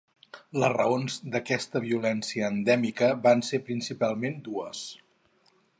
Les raons d'aquesta violència endèmica van ser principalment dues.